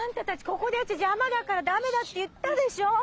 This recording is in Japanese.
ここでやっちゃ邪魔だから駄目だって言ったでしょう！